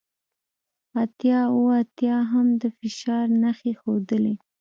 اتیا اوه اتیا هم د فشار نښې ښودلې